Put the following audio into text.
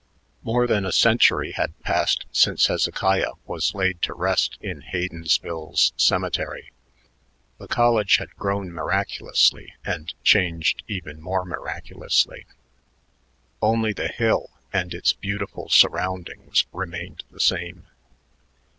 More than a century had passed since Hezekiah was laid to rest in Haydensville's cemetery. The college had grown miraculously and changed even more miraculously. Only the hill and its beautiful surroundings remained the same.